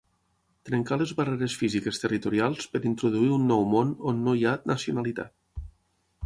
Trencar les barreres físiques territorials per introduir un nou món on no hi ha nacionalitat.